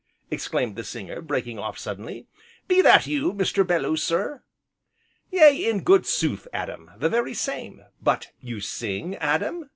exclaimed the singer, breaking off suddenly, "be that you, Mr. Belloo, sir?" "Yea, in good sooth, Adam, the very same, but you sing, Adam?"